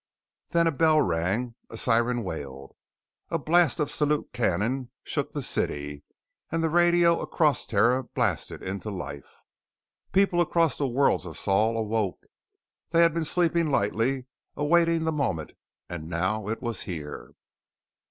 Then a bell rang. A siren wailed. A blast of salute cannon shook the city, and the radio across Terra blasted into life. People across the worlds of Sol awoke; they had been sleeping lightly, awaiting The Moment and now it was here!